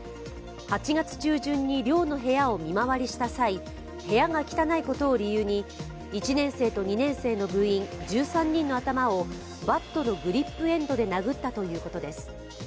８月中旬に寮の部屋を見回りした際部屋が汚いことを理由に１年生と２年生の部員１３人の頭をバットのグリップエンドで殴ったということです。